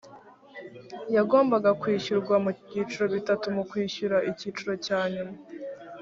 yagombaga kwishyurwa mu byiciro bitatu mu kwishyura icyiciro cya nyuma